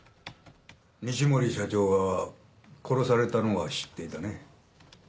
西森社長が殺されたのは知っていたね？